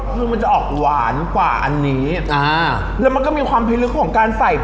คือมันจะออกหวานกว่าอันนี้อ่าแล้วมันก็มีความพิลึกของการใส่